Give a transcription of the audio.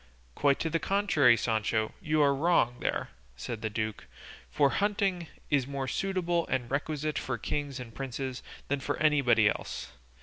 "Quite the contrary, Sancho; you are wrong there," said the duke; "for hunting is more suitable and requisite for kings and princes than for anybody else.